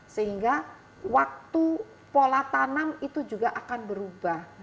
sehingga waktu pola tanam itu juga akan berubah